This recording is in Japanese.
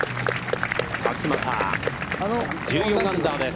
勝俣、１４アンダーです。